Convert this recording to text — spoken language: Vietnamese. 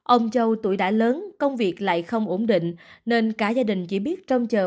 ông châu tuổi đã lớn công việc lại không ổn định nên cả gia đình chỉ biết trông chờ